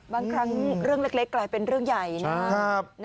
บางครั้งเรื่องเล็กกลายเป็นเรื่องใหญ่นะครับ